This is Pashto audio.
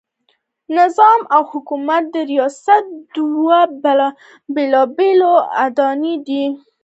نظام او حکومت د ریاست دوه بېلابېلې اډانې دي.